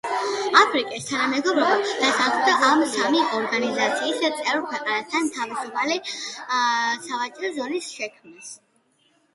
აფრიკის თანამეგობრობა დათანხმდა ამ სამი ორგანიზაციის წევრ ქვეყნებთან თავისუფალი სავაჭრო ზონის შექმნას.